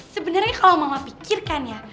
sebenernya kalo mama pikirkan ya